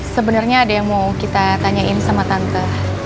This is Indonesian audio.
sebenarnya ada yang mau kita tanyain sama tante